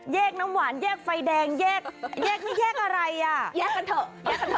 น้ำหวานแยกไฟแดงแยกนี้แยกอะไรอ่ะแยกกันเถอะแยกกันเ